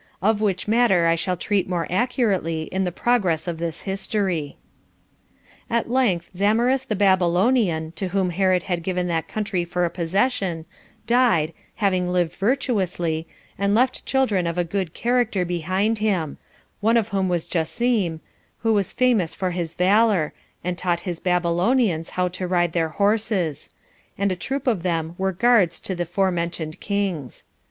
Of which matter I shall treat more accurately in the progress of this history. 2 3. At length Zamaris the Babylonian, to whom Herod had given that country for a possession, died, having lived virtuously, and left children of a good character behind him; one of whom was Jacim, who was famous for his valor, and taught his Babylonians how to ride their horses; and a troop of them were guards to the forementioned kings.